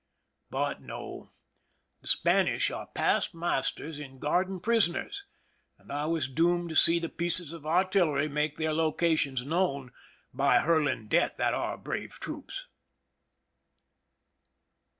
But no; the Spanish are passed masters in guarding prisoners, and I was doomed to see the pieces of artillery make their locations known by hurling death at our brave troops.